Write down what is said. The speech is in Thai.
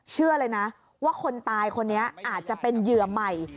เชื่อเลยนะว่าคนตายคนนี้อาจจะเป็นเหยื่อใหม่